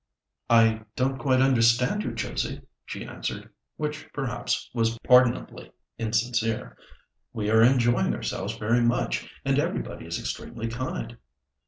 "I don't quite understand you, Josie," she answered (which, perhaps, was pardonably insincere); "we are enjoying ourselves very much, and everybody is extremely kind."